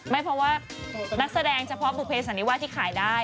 ไม่เพราะว่านักแสดงเฉพาะบุเภสันนิวาสที่ขายได้